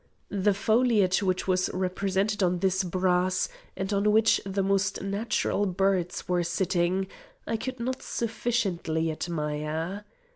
The foliage which was represented on this brass, and on which the most natural birds were sitting, I could not sufficiently admire.